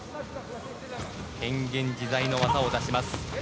変幻自在の技を出します。